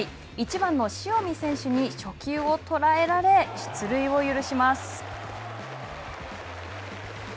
１番の塩見選手に初球を捉えられ出塁を許します。